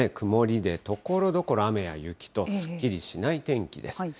曇りで、ところどころ雨や雪と、すっきりしない天気です。